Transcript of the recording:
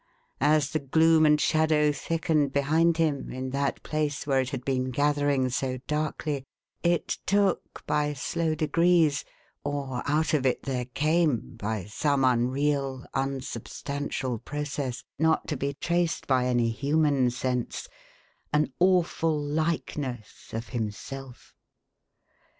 As the gloom and shadow thickened behind him, in that place where it had been gathering so darkly, it took, by slow degrees, — or out of it there came, by some unreal, un substantial process — not to be traced by any human sense, — an awful likeness of himself.